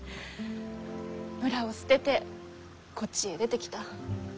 村を捨ててこっちへ出てきた。